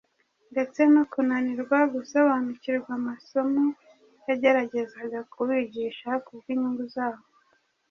ndetse no kunanirwa gusobanukirwa amasomo yageragezaga kubigisha kubw’inyungu zabo,